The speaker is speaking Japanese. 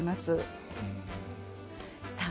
さあ